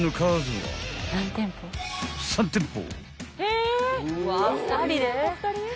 ［３店舗］